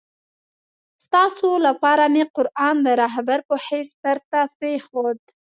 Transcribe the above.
ستاسي لپاره مي قرآن د رهبر په حیث درته پرېښود.